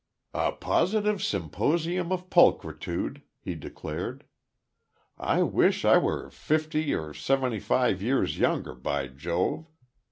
"A positive symposium of pulchritude," he declared. "I wish I were fifty or seventy five years younger, by Jove!